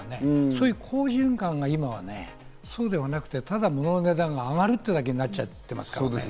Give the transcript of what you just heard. そういう好循環が今ね、そうではなくて、ただモノの値段が上がるだけになっちゃってますからね。